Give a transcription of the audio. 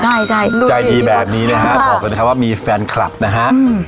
ใช่ใช่ใจดีแบบนี้นะฮะบอกเลยนะครับว่ามีแฟนคลับนะฮะอืม